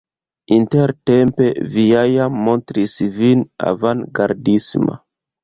Intertempe vi ja jam montris vin avangardisma!